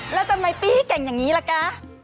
แล้วทำไมพี่เก่งแบบนี้แหละคะ